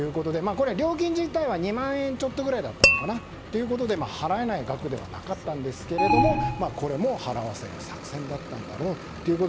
これ料金自体は２万円ちょっとぐらいだったということで払えない額ではなかったんですけれどもこれも払わせる作戦だったんだろうと。